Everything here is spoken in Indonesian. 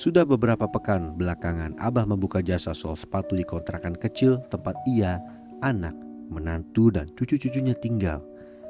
sudah beberapa pekan belakangan abah membuka jasa soal sepatu di kontrakan kecil tempat ia anak menantu dan cucu cucunya tinggal